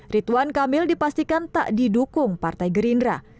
rituan kamil dipastikan tak didukung partai gerindra